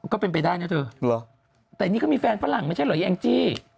ก็เป็นไปได้นะเธอแต่นี่ก็มีแฟนฝรั่งไม่ใช่เหรอแองจี้